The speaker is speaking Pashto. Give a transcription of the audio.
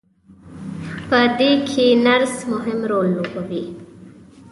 په دې کې نرس مهم رول لوبوي.